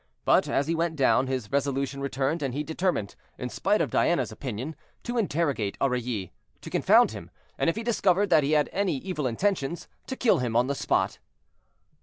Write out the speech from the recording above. But as he went down, his resolution returned, and he determined, in spite of Diana's opinion, to interrogate Aurilly—to confound him, and if he discovered that he had any evil intentions, to kill him on the spot.